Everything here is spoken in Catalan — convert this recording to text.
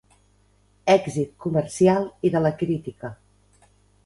Èxit comercial i de la crítica.